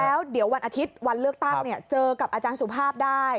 แล้วเดี๋ยววันอาทิตย์วันเลือกตั้งเจอกับอาจารย์สุภาพได้